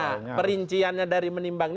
nah perinciannya dari menimbang